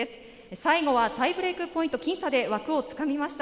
最後はタイブレークポイント僅差で枠を掴みました。